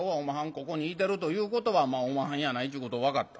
ここにいてるということはおまはんやないちゅうこと分かった。